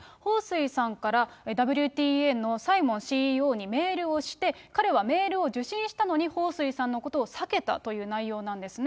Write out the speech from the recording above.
彭帥さんからＷＴＡのサイモンＣＥＯにメールをして、彼はメールを受信したのに彭帥さんのことを避けたという内容なんですね。